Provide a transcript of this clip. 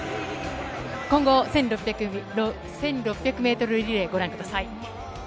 混合１６００ｍリレー、ご覧ください。